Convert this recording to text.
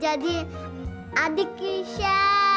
jadi adik keisha